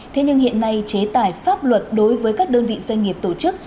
thế nhưng hiện nay chế tài pháp luật đối với các đơn vị doanh nghiệp tổ chức